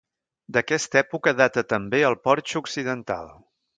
D'aquesta època data també el porxo occidental.